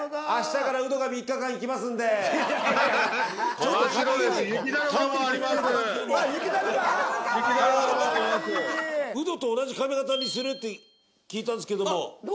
ウドと同じ髪型にするって聞いたんですけども。